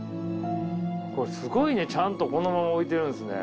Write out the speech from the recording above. これすごいねちゃんとこのまま置いてるんすね。